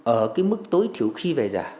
ở cái mức tối thiếu khi về già